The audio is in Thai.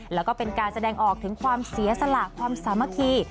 แล้วก็เป็นการแสดงออกถึงความเสียสละความสามัคคี